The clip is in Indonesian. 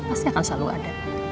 pasti akan selalu ada